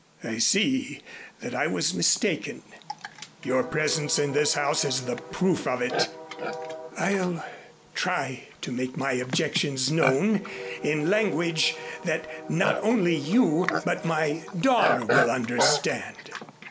I see that I was mistaken. Your presence in this house is the proof of it. I'll try to make my objections known in language that not only you but my daughter will understand."